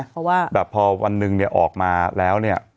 เพราะว่าพอวันนึงออกมาแล้วเนี่ย